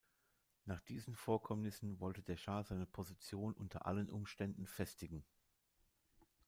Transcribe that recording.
Nach diesen Vorkommnissen wollte der Schah seine Position unter allen Umständen festigen.